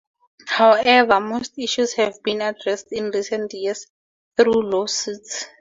However, most issues have been addressed in recent years through lawsuits.